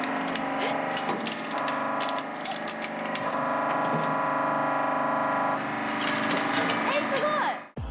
えっすごい！